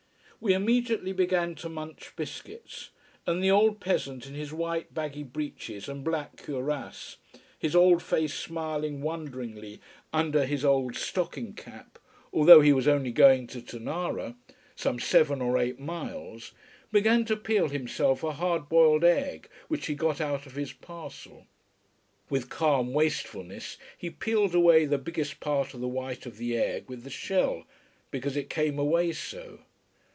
We immediately began to munch biscuits, and the old peasant in his white, baggy breeches and black cuirass, his old face smiling wonderingly under his old stocking cap, although he was only going to Tonara, some seven or eight miles, began to peel himself a hard boiled egg, which he got out of his parcel. With calm wastefulness he peeled away the biggest part of the white of the egg with the shell because it came away so.